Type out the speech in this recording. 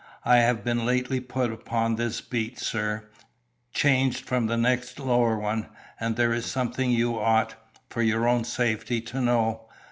I have been lately put upon this beat, sir; changed from the next lower one; and there is something you ought, for your own safety, to know.